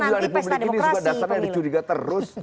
ya semua juga di publik ini sudah dasarnya dicurigai terus